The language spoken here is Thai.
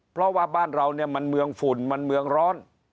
เพราะว่าบ้านเราเนี่ยมันเมืองฝุ่นมันเมืองร้อน